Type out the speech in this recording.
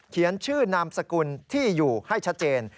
เขียนชื่อนามสกุลที่อยู่ให้ชัดเจน